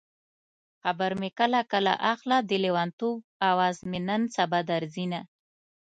خبر مې کله کله اخله د لېونتوب اواز مې نن سبا درځينه